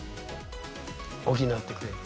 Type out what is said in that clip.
補ってくれる？